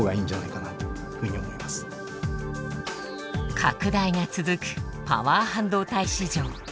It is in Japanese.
拡大が続くパワー半導体市場。